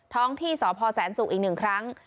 ท้องที่สพแสนสุกอีก๑ครั้ง